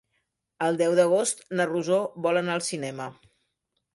El deu d'agost na Rosó vol anar al cinema.